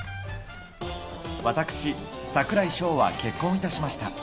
私、櫻井翔は結婚いたしました。